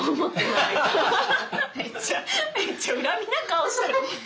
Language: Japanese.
めっちゃ恨みな顔しとる。